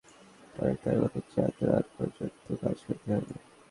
ঈদের আগের দিনই শুধু নয়, অনেক তারকাকে চাঁদরাত পর্যন্ত কাজ করতে হবে।